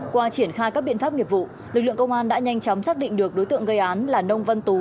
qua triển khai các biện pháp nghiệp vụ lực lượng công an đã nhanh chóng xác định được đối tượng gây án là nông văn tú